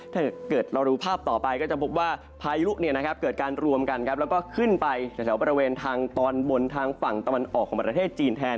ถ้าเกิดเรารู้ภาพต่อไปก็จะบอกว่าพายุลูกเนี่ยนะครับเกิดการรวมกันครับแล้วก็ขึ้นไปจากแถวประเวณทางตอนบนทางฝั่งตอนออกของประเทศจีนแทน